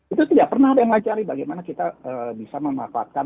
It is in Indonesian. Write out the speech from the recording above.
itu tidak pernah ada yang ngacari bagaimana kita bisa memanfaatkan